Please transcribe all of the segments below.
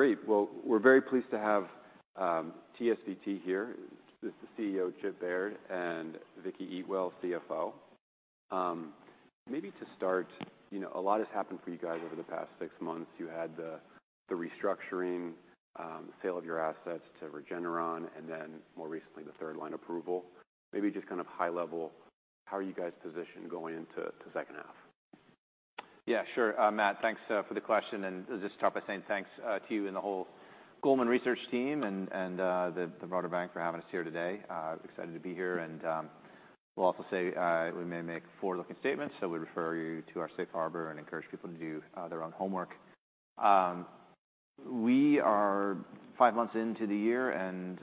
All right, great! Well, we're very pleased to have TSVT here with the CEO, Chip Baird, and Vicki Eatwell, CFO. Maybe to start, you know, a lot has happened for you guys over the past six months. You had the, the restructuring, sale of your assets to Regeneron, and then more recently, the third line approval. Maybe just kind of high level, how are you guys positioned going into the second half? Yeah, sure. Matt, thanks for the question. Just start by saying thanks to you and the whole Goldman research team and the broader bank for having us here today. Excited to be here. We'll also say we may make forward-looking statements, so we refer you to our safe harbor and encourage people to do their own homework. We are five months into the year and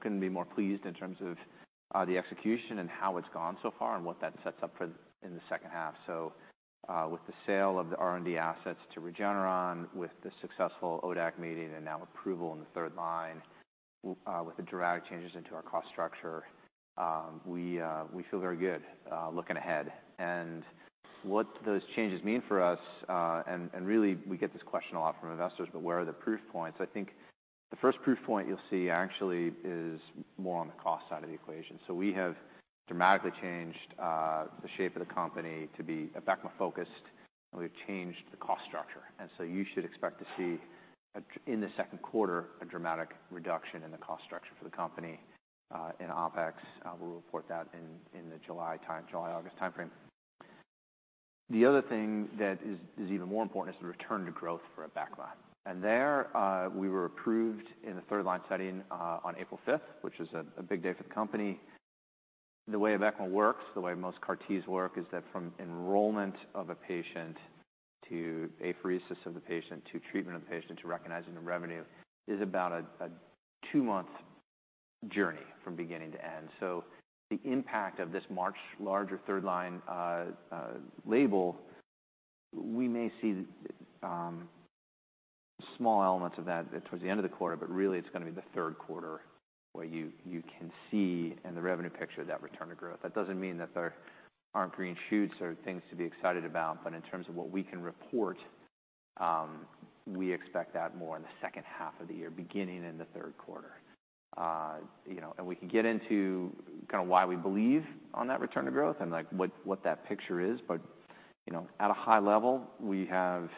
couldn't be more pleased in terms of the execution and how it's gone so far and what that sets up for in the second half. So, with the sale of the R&D assets to Regeneron, with the successful ODAC meeting and now approval in the third line, with the dramatic changes into our cost structure, we feel very good looking ahead. What those changes mean for us, and really, we get this question a lot from investors, but where are the proof points? I think the first proof point you'll see actually is more on the cost side of the equation. So we have dramatically changed the shape of the company to be Abecma focused, and we've changed the cost structure. And so you should expect to see in the second quarter, a dramatic reduction in the cost structure for the company in OpEx. We'll report that in the July, August time frame. The other thing that is even more important is the return to growth for Abecma. And there, we were approved in the third line setting on April 5th, which is a big day for the company. The way Abecma works, the way most CAR-Ts work, is that from enrollment of a patient to apheresis of the patient, to treatment of the patient, to recognizing the revenue, is about a two-month journey from beginning to end. So the impact of this March larger third line label, we may see small elements of that towards the end of the quarter, but really, it's gonna be the third quarter where you can see in the revenue picture, that return to growth. That doesn't mean that there aren't green shoots or things to be excited about, but in terms of what we can report, we expect that more in the second half of the year, beginning in the third quarter. You know, and we can get into kind of why we believe on that return to growth and, like, what that picture is. But, you know, at a high level, we have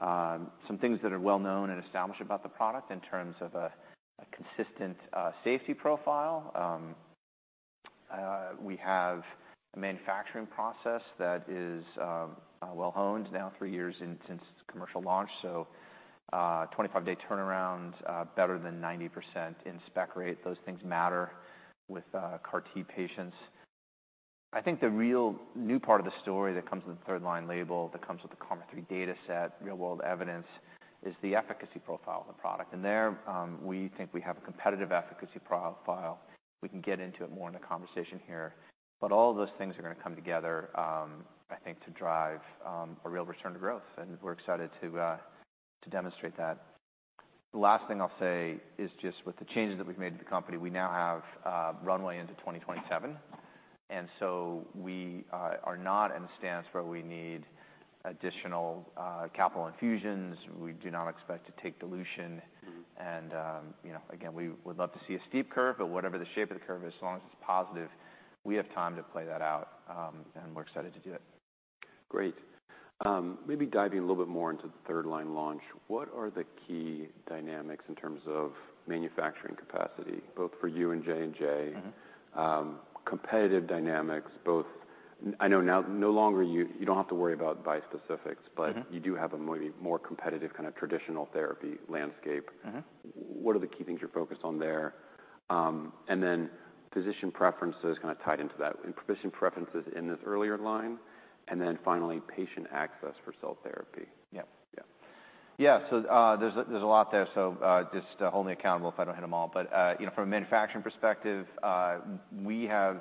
some things that are well known and established about the product in terms of a consistent safety profile. We have a manufacturing process that is well-honed now, three years in since commercial launch. So, 25-day turnaround, better than 90% in spec rate. Those things matter with CAR-T patients. I think the real new part of the story that comes with the third line label, that comes with the KarMMa-3 data set, real world evidence, is the efficacy profile of the product. And there, we think we have a competitive efficacy profile. We can get into it more in the conversation here, but all of those things are gonna come together, I think, to drive a real return to growth, and we're excited to to demonstrate that. The last thing I'll say is just with the changes that we've made to the company, we now have runway into 2027, and so we are not in a stance where we need additional capital infusions. We do not expect to take dilution. Mm-hmm. You know, again, we would love to see a steep curve, but whatever the shape of the curve is, as long as it's positive, we have time to play that out, and we're excited to do it. Great. Maybe diving a little bit more into the third line launch, what are the key dynamics in terms of manufacturing capacity, both for you and J&J? Mm-hmm. Competitive dynamics, both... I know now, no longer you, you don't have to worry about bispecifics- Mm-hmm but you do have a maybe more competitive kind of traditional therapy landscape. Mm-hmm. What are the key things you're focused on there? And then physician preferences kind of tied into that, and physician preferences in this earlier line, and then finally, patient access for cell therapy. Yeah. Yeah. Yeah. So, there's a lot there, so just hold me accountable if I don't hit them all. But you know, from a manufacturing perspective, we have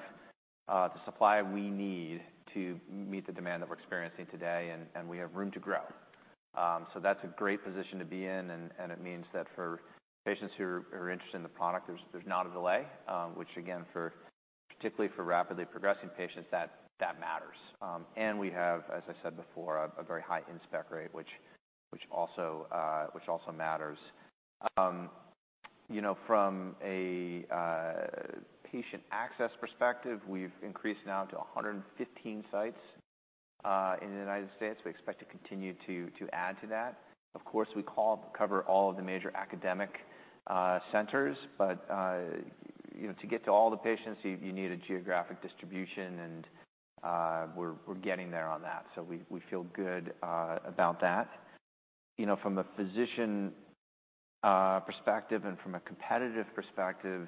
the supply we need to meet the demand that we're experiencing today, and we have room to grow. So that's a great position to be in, and it means that for patients who are interested in the product, there's not a delay, which again, for particularly rapidly progressing patients, that matters. And we have, as I said before, a very high in-spec rate, which also matters. You know, from a patient access perspective, we've increased now to 115 sites in the United States. We expect to continue to add to that. Of course, we cover all of the major academic centers, but you know, to get to all the patients, you need a geographic distribution, and we're getting there on that. So we feel good about that. You know, from a physician perspective and from a competitive perspective,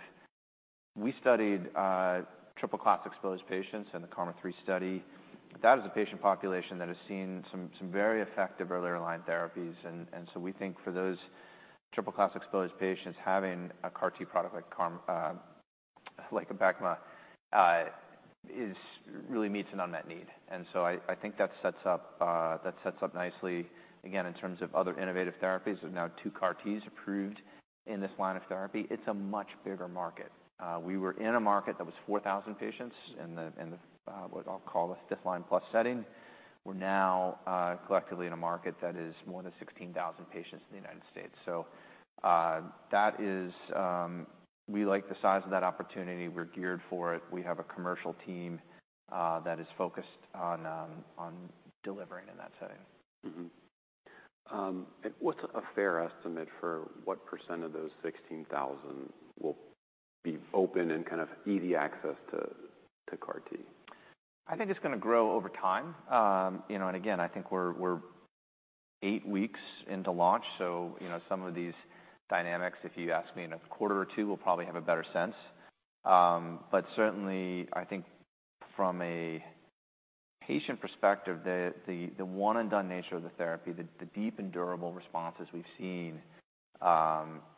we studied triple-class exposed patients in the KarMMa-3 study. That is a patient population that has seen some very effective earlier line therapies, and so we think for those triple-class exposed patients, having a CAR-T product, like Abecma, really meets an unmet need. And so I think that sets up nicely. Again, in terms of other innovative therapies, there are now two CAR-Ts approved in this line of therapy; it's a much bigger market. We were in a market that was 4,000 patients in the, in the, what I'll call a fifth line plus setting. We're now collectively in a market that is more than 16,000 patients in the United States. So, that is... We like the size of that opportunity. We're geared for it. We have a commercial team that is focused on, on delivering in that setting. Mm-hmm. What's a fair estimate for what percent of those 16,000 will be open and kind of easy access to CAR-T? I think it's gonna grow over time. You know, and again, I think we're eight weeks into launch, so, you know, some of these dynamics, if you ask me in a quarter or two, we'll probably have a better sense. But certainly, I think from a patient perspective, the one and done nature of the therapy, the deep and durable responses we've seen,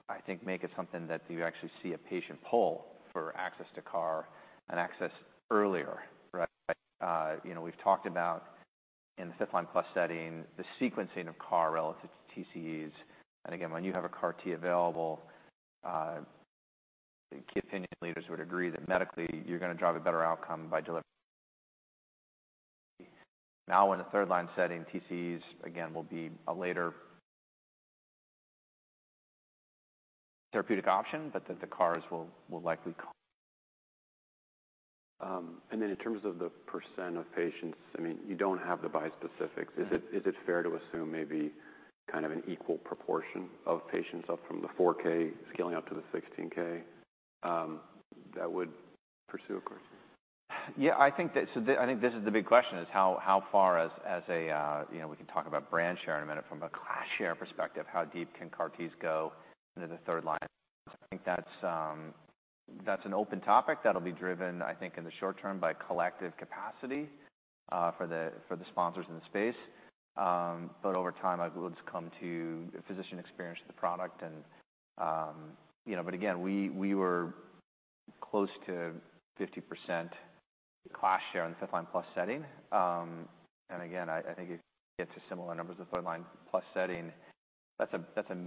I think make it something that you actually see a patient pull for access to CAR and access earlier, right? You know, we've talked about in the fifth line plus setting, the sequencing of CAR relative to TCEs. And again, when you have a CAR-T available, key opinion leaders would agree that medically, you're gonna drive a better outcome by delivering. Now, in a third line setting, TCEs, again, will be a later therapeutic option, but that the CARs will likely- In terms of the percent of patients, I mean, you don't have the bispecifics. Mm-hmm. Is it fair to assume maybe kind of an equal proportion of patients up from the 4K scaling up to the 16K that would pursue a course? Yeah, I think this is the big question, is how far, as a, you know, we can talk about brand share in a minute. From a class share perspective, how deep can CAR-Ts go into the third line? I think that's an open topic that'll be driven, I think, in the short term by collective capacity for the sponsors in the space. But over time, I would come to a physician experience with the product and, you know... But again, we were close to 50% class share in the fifth line plus setting. And again, I think you get to similar numbers of third line plus setting. That's a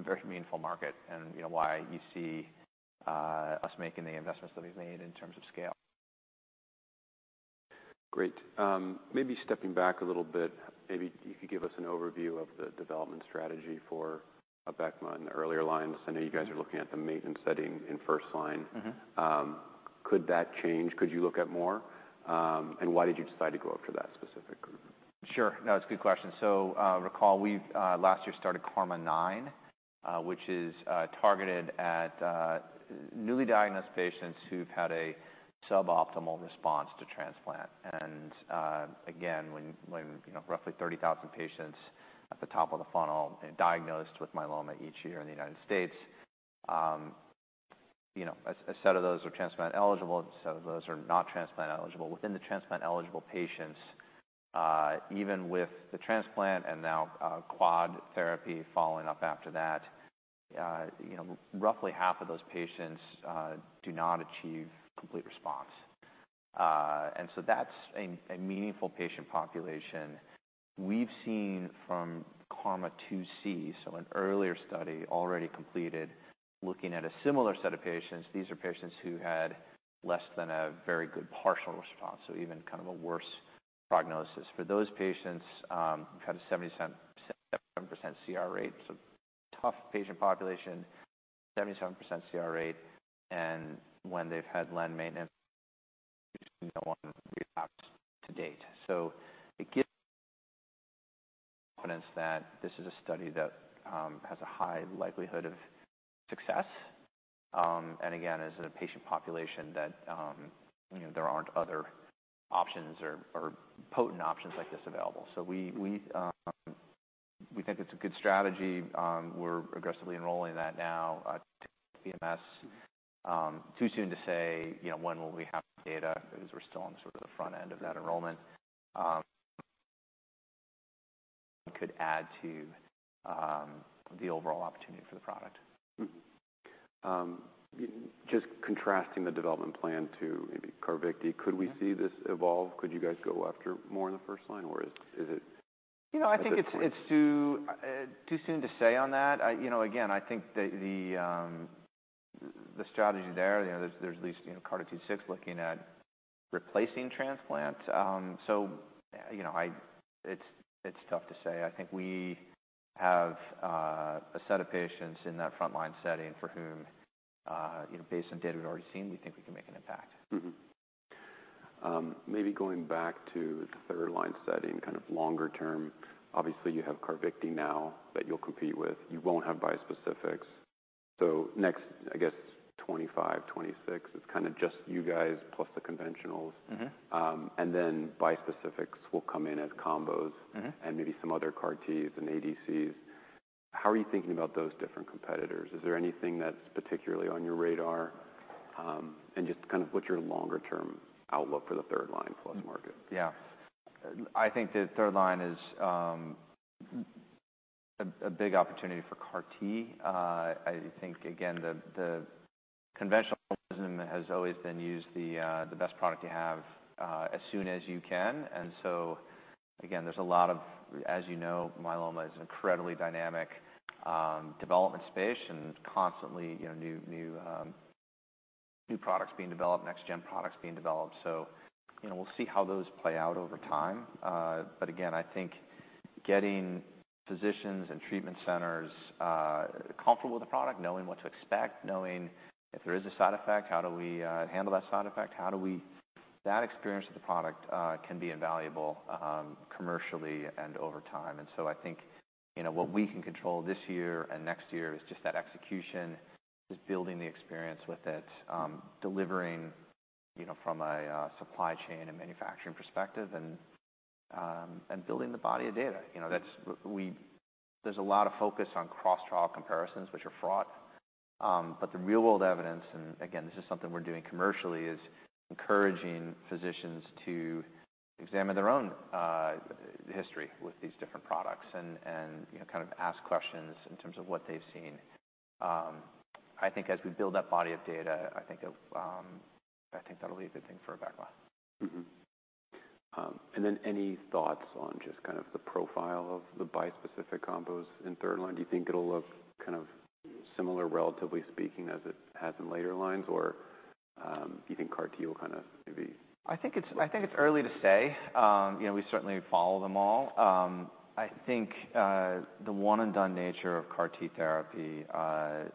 very meaningful market, and you know, us making the investments that we've made in terms of scale. Great. Maybe stepping back a little bit, maybe you could give us an overview of the development strategy for Abecma in the earlier lines. I know you guys are looking at the maintenance setting in first line. Mm-hmm. Could that change? Could you look at more? And why did you decide to go after that specific group? Sure. No, it's a good question. So, recall, we've last year started KarMMa-9, which is targeted at newly diagnosed patients who've had a suboptimal response to transplant. And again, when you know, roughly 30,000 patients at the top of the funnel diagnosed with myeloma each year in the United States, you know, a set of those are transplant eligible, a set of those are not transplant eligible. Within the transplant-eligible patients, even with the transplant and now quad therapy following up after that, you know, roughly half of those patients do not achieve complete response. And so that's a meaningful patient population. We've seen from KarMMa-2C, so an earlier study already completed, looking at a similar set of patients. These are patients who had less than a very good partial response, so even kind of a worse prognosis. For those patients, we've had a 77% CR rate, so tough patient population, 77% CR rate. And when they've had len maintenance, no one responds to date. So it gives confidence that this is a study that has a high likelihood of success. And again, as a patient population that, you know, there aren't other options or, or potent options like this available. So we, we, we think it's a good strategy. We're aggressively enrolling that now, BMS. Too soon to say, you know, when will we have data, as we're still on sort of the front end of that enrollment. Could add to the overall opportunity for the product. Mm-hmm. Just contrasting the development plan to maybe Carvykti- Yeah. Could we see this evolve? Could you guys go after more in the first line, or is, is it- You know, I think it's- At this point.... it's too, too soon to say on that. I, you know, again, I think the strategy there, you know, there's at least, you know, CARTITUDE-6, looking at replacing transplants. So, you know, it's tough to say. I think we have a set of patients in that frontline setting for whom, you know, based on data we've already seen, we think we can make an impact. Mm-hmm. Maybe going back to the third line setting, kind of longer term, obviously, you have Carvykti now that you'll compete with. You won't have bispecifics. So next, I guess, 2025, 2026, it's kind of just you guys, plus the conventionals. Mm-hmm. And then bispecifics will come in as combos- Mm-hmm... and maybe some other CAR-Ts and ADCs. How are you thinking about those different competitors? Is there anything that's particularly on your radar? And just kind of what's your longer-term outlook for the third-line- Mm-hmm - plus market? Yeah. I think the third line is a big opportunity for CAR-T. I think again, conventional has always been used the best product you have as soon as you can. And so, again, there's a lot of-- As you know, myeloma is an incredibly dynamic development space and constantly, you know, new products being developed, next-gen products being developed. So, you know, we'll see how those play out over time. But again, I think getting physicians and treatment centers comfortable with the product, knowing what to expect, knowing if there is a side effect, how do we handle that side effect? How do we-- That experience with the product can be invaluable commercially and over time. I think, you know, what we can control this year and next year is just that execution, just building the experience with it, delivering, you know, from a supply chain and manufacturing perspective, and building the body of data. You know, that's. There's a lot of focus on cross-trial comparisons, which are fraught. But the real world evidence, and again, this is something we're doing commercially, is encouraging physicians to examine their own history with these different products and, you know, kind of ask questions in terms of what they've seen. I think as we build that body of data, I think that'll be a good thing for Abecma. Mm-hmm. And then any thoughts on just kind of the profile of the bispecific combos in third line? Do you think it'll look kind of similar, relatively speaking, as it has in later lines? Or, do you think CAR-T will kind of maybe- I think it's early to say. You know, we certainly follow them all. I think the one-and-done nature of CAR-T therapy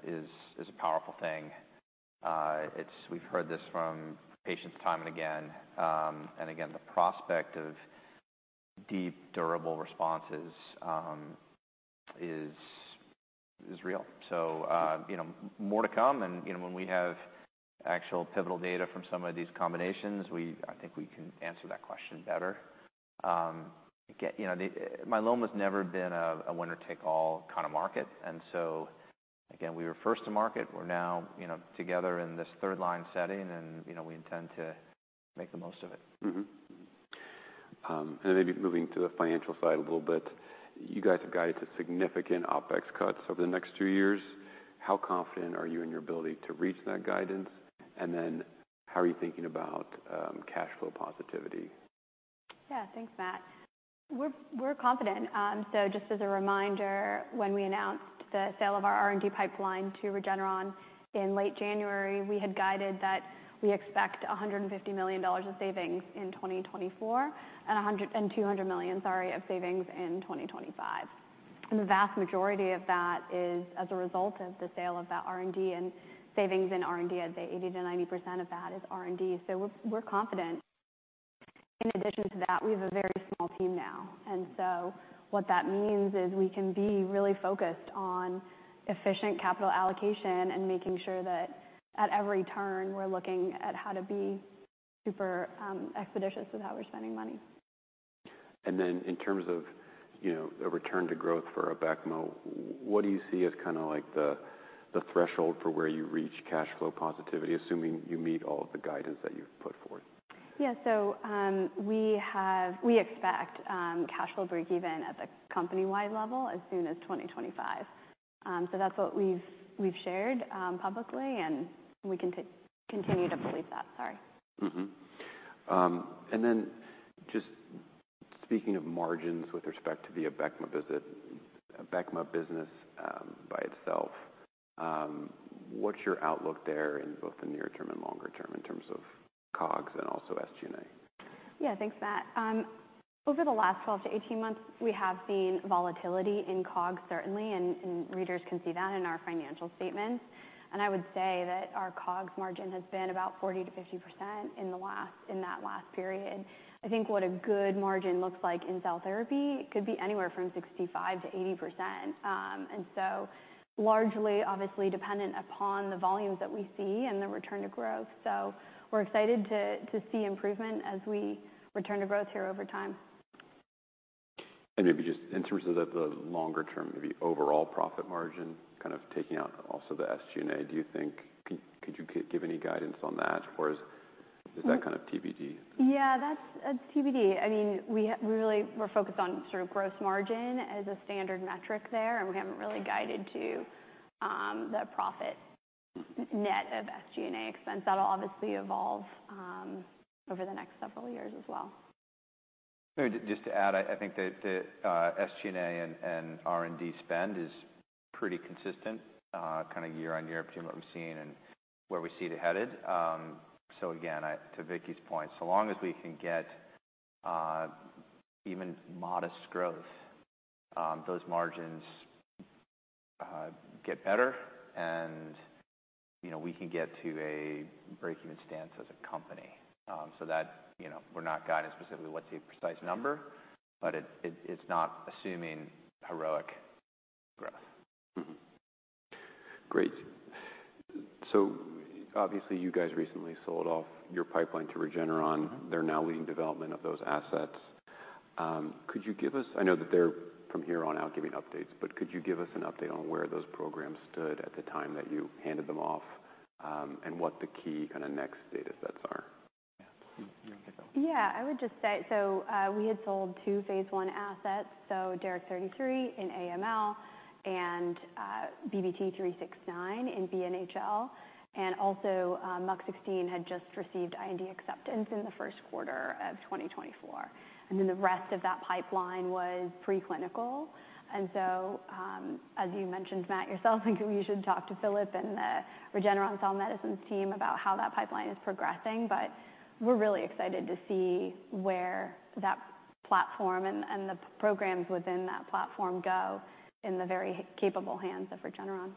is a powerful thing. It's. We've heard this from patients time and again, and again, the prospect of deep durable responses is real. So, you know, more to come, and, you know, when we have actual pivotal data from some of these combinations, we. I think we can answer that question better. Again, you know, the Myeloma's never been a winner take all kind of market, and so again, we were first to market. We're now, you know, together in this third line setting and, you know, we intend to make the most of it. Mm-hmm. And maybe moving to the financial side a little bit, you guys have guided to significant OpEx cuts over the next two years. How confident are you in your ability to reach that guidance? And then how are you thinking about cash flow positivity? Yeah. Thanks, Matt. We're confident. So just as a reminder, when we announced the sale of our R&D pipeline to Regeneron in late January, we had guided that we expect $150 million of savings in 2024, and $200 million, sorry, of savings in 2025. And the vast majority of that is as a result of the sale of that R&D and savings in R&D. I'd say 80%-90% of that is R&D, so we're confident. In addition to that, we have a very small team now, and so what that means is we can be really focused on efficient capital allocation and making sure that at every turn we're looking at how to be super expeditious with how we're spending money. And then in terms of, you know, a return to growth for Abecma, what do you see as kind of like the threshold for where you reach cash flow positivity, assuming you meet all of the guidance that you've put forth? Yeah. So, we expect cash flow breakeven at the company-wide level as soon as 2025. So that's what we've shared publicly, and we continue to believe that. Sorry. Mm-hmm. And then just speaking of margins with respect to the Abecma business, by itself, what's your outlook there in both the near term and longer term in terms of COGS and also SG&A? Yeah. Thanks, Matt. Over the last 12-18 months, we have seen volatility in COGS, certainly, and readers can see that in our financial statements. I would say that our COGS margin has been about 40%-50% in that last period. I think what a good margin looks like in cell therapy could be anywhere from 65%-80%. And so largely obviously dependent upon the volumes that we see and the return to growth. So we're excited to see improvement as we return to growth here over time. Maybe just in terms of the longer term, maybe overall profit margin, kind of taking out also the SG&A, do you think... Could you give any guidance on that, or is- Um- Is that kind of TBD? Yeah, that's TBD. I mean, we really we're focused on sort of gross margin as a standard metric there, and we haven't really guided to the profit net of SG&A expense. That'll obviously evolve over the next several years as well. Just to add, I think that the SG&A and R&D spend is pretty consistent kind of year-on-year between what we've seen and where we see it headed. So again, to Vicki's point, so long as we can get even modest growth, those margins get better and, you know, we can get to a breakeven stance as a company. So that, you know, we're not guiding specifically what's a precise number, but it's not assuming heroic growth. Mm-hmm. Great. So obviously you guys recently sold off your pipeline to Regeneron. Mm-hmm. They're now leading development of those assets. Could you give us... I know that they're, from here on out, giving updates, but could you give us an update on where those programs stood at the time that you handed them off, and what the key kind of next data sets are?... Yeah, I would just say, so, we had sold two phase one assets, so DARIC33 in AML, and, bbT369 in BNHL, and also, MUC16 had just received IND acceptance in the first quarter of 2024. And then the rest of that pipeline was preclinical. And so, as you mentioned, Matt, yourself, I think you should talk to Philip and the Regeneron Cell Medicines team about how that pipeline is progressing. But we're really excited to see where that platform and, and the programs within that platform go in the very capable hands of Regeneron.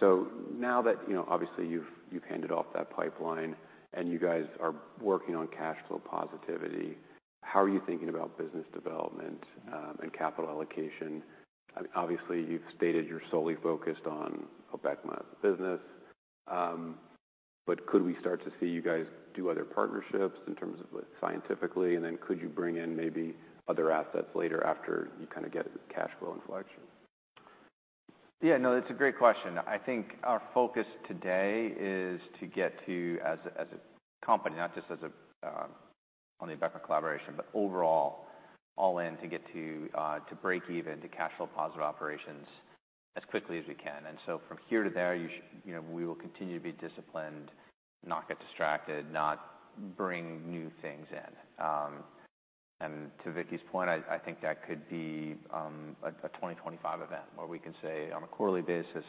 So now that, you know, obviously, you've handed off that pipeline, and you guys are working on cash flow positivity, how are you thinking about business development and capital allocation? Obviously, you've stated you're solely focused on Abecma business. But could we start to see you guys do other partnerships in terms of, like, scientifically? And then could you bring in maybe other assets later, after you kinda get cash flow inflection? Yeah, no, it's a great question. I think our focus today is to get to as a, as a company, not just as a, on the Abecma collaboration, but overall, all in to get to, to break even, to cash flow positive operations as quickly as we can. And so from here to there, you know, we will continue to be disciplined, not get distracted, not bring new things in. And to Vicki's point, I think that could be, a 2025 event, where we can say on a quarterly basis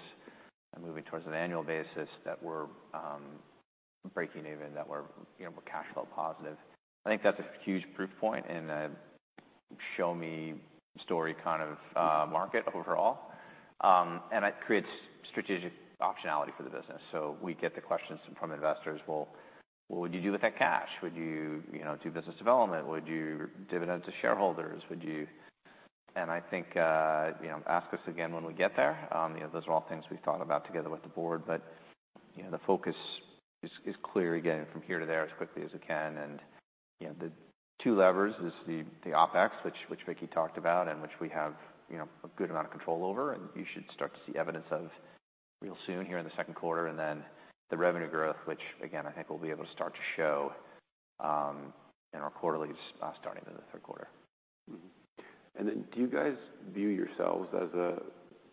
and moving towards an annual basis, that we're, breaking even, that we're, you know, we're cash flow positive. I think that's a huge proof point in a show me story, kind of, market overall. And it creates strategic optionality for the business. So we get the questions from investors: "Well, what would you do with that cash? Would you, you know, do business development? Would you dividend to shareholders? Would you..." And I think, you know, ask us again when we get there. You know, those are all things we've thought about together with the board, but, you know, the focus is, is clear, again, from here to there, as quickly as we can. And, you know, the two levers is the, the OpEx, which, which Vicki talked about, and which we have, you know, a good amount of control over, and you should start to see evidence of real soon here in the second quarter. And then the revenue growth, which again, I think we'll be able to start to show, in our quarterly, starting in the third quarter. Mm-hmm. And then, do you guys view yourselves as a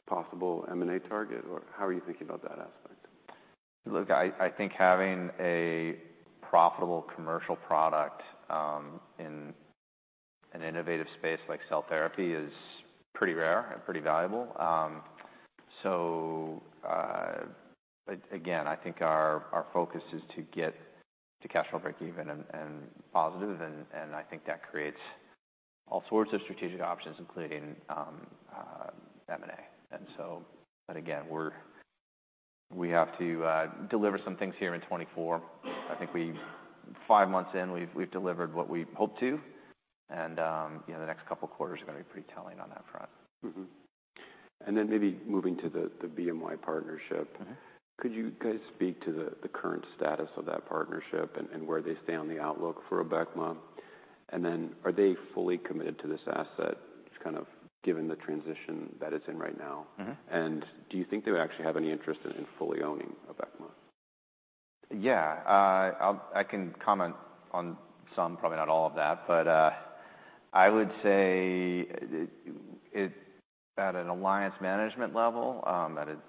possible M&A target, or how are you thinking about that aspect? Look, I think having a profitable commercial product in an innovative space like cell therapy is pretty rare and pretty valuable. So, again, I think our focus is to get to cash flow break even and positive, and I think that creates all sorts of strategic options, including M&A. And so... But again, we have to deliver some things here in 2024. I think five months in, we've delivered what we hoped to, and you know, the next couple quarters are gonna be pretty telling on that front. Mm-hmm. And then maybe moving to the BMS partnership. Mm-hmm. Could you guys speak to the current status of that partnership and where they stand on the outlook for Abecma? And then are they fully committed to this asset, just kind of given the transition that it's in right now? Mm-hmm. Do you think they would actually have any interest in fully owning Abecma? Yeah, I can comment on some, probably not all of that, but I would say it, at an alliance management level,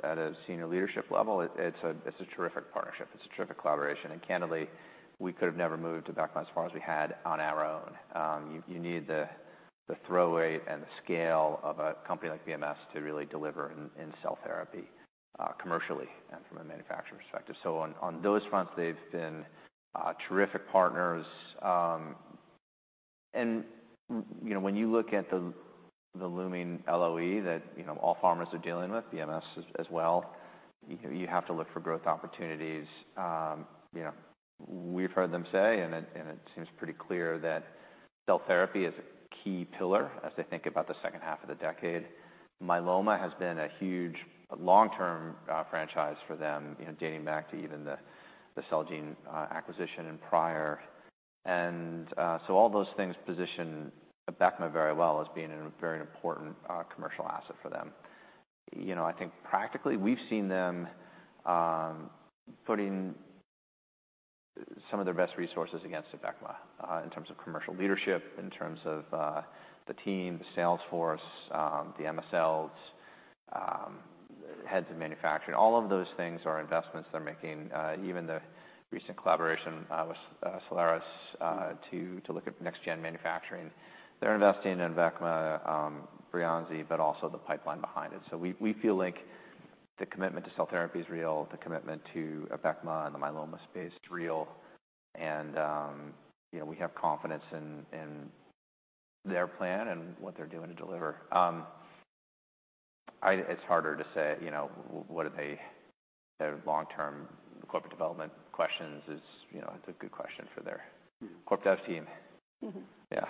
at a senior leadership level, it's a terrific partnership. It's a terrific collaboration, and candidly, we could have never moved Abecma as far as we had on our own. You need the throw weight and the scale of a company like BMS to really deliver in cell therapy, commercially and from a manufacturer perspective. So on those fronts, they've been terrific partners. And you know, when you look at the looming LOE that you know, all pharmas are dealing with, BMS as well, you have to look for growth opportunities. You know, we've heard them say, and it seems pretty clear, that cell therapy is a key pillar as they think about the second half of the decade. Myeloma has been a huge long-term franchise for them, you know, dating back to even the Celgene acquisition and prior. So all those things position Abecma very well as being a very important commercial asset for them. You know, I think practically, we've seen them putting some of their best resources against Abecma in terms of commercial leadership, in terms of the team, the sales force, the MSLs, heads of manufacturing. All of those things are investments they're making, even the recent collaboration with Cellares to look at next gen manufacturing. They're investing in Abecma, Breyanzi, but also the pipeline behind it. So we feel like the commitment to cell therapy is real, the commitment to Abecma and the myeloma space is real, and, you know, we have confidence in their plan and what they're doing to deliver. It's harder to say, you know, what are they... Their long-term corporate development questions is, you know, it's a good question for their- Mm-hmm. - corp dev team. Mm-hmm. Yeah.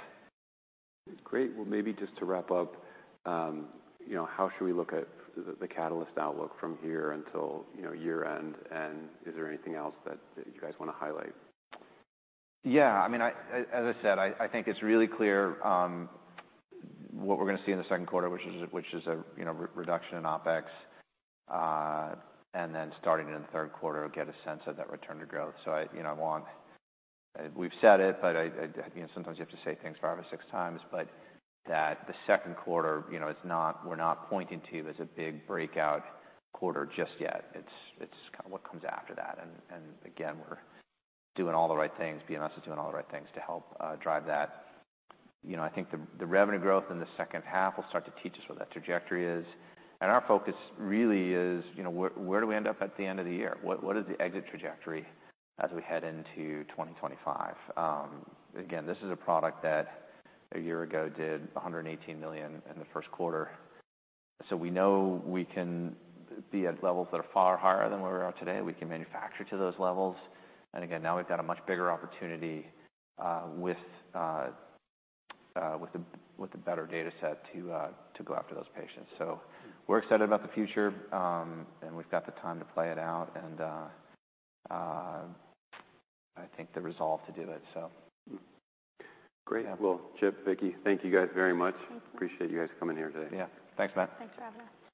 Great. Well, maybe just to wrap up, you know, how should we look at the catalyst outlook from here until, you know, year-end? And is there anything else that you guys wanna highlight? Yeah, I mean, as I said, I think it's really clear what we're gonna see in the second quarter, which is a, you know, reduction in OpEx. And then starting in the third quarter, we'll get a sense of that return to growth. So, you know, we've said it, but I, you know, sometimes you have to say things five or six times, but the second quarter, you know, it's not, we're not pointing to as a big breakout quarter just yet. It's kind of what comes after that, and again, we're doing all the right things. BMS is doing all the right things to help drive that. You know, I think the revenue growth in the second half will start to teach us what that trajectory is. Our focus really is, you know, where, where do we end up at the end of the year? What, what is the exit trajectory as we head into 2025? Again, this is a product that a year ago did $118 million in the first quarter, so we know we can be at levels that are far higher than where we're at today. We can manufacture to those levels, and again, now we've got a much bigger opportunity, with the better data set to go after those patients. So we're excited about the future, and we've got the time to play it out and, I think the resolve to do it, so. Mm-hmm. Great. Yeah. Well, Chip, Vicki, thank you guys very much. Mm-hmm. Appreciate you guys coming here today. Yeah. Thanks, Matt. Thanks for having us.